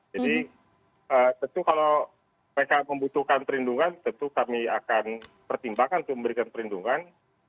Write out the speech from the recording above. jadi tentu kalau mereka membutuhkan perlindungan tentu kami akan pertimbangkan untuk memberikan perlindungan